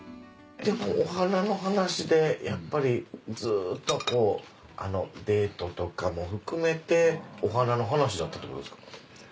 お花の話でやっぱりずっとこうデートとかも含めてお花の話だったってことですか？